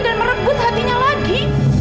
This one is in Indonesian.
dan merebut hatinya lagi